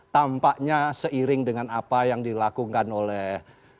tampaknya seiring dengan apa yang dilakukan oleh